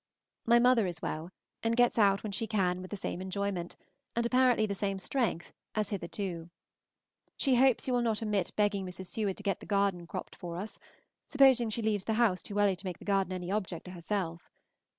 My mother is well, and gets out when she can with the same enjoyment, and apparently the same strength, as hitherto. She hopes you will not omit begging Mrs. Seward to get the garden cropped for us, supposing she leaves the house too early to make the garden any object to herself.